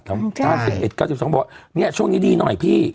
ทำใช่พี่ค่ะอบสิบเอ็ดเก้าสิบสองบอกเนี้ยช่วงนี้ดีหน่อยพี่